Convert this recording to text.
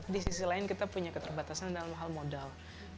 di sisi lain kita punya keterbatasan dalam hal modal